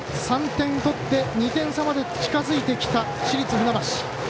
３点取って２点差まで近づいてきた市立船橋。